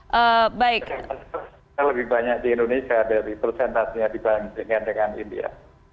lebih banyak di indonesia dari presentasinya dibandingkan dengan india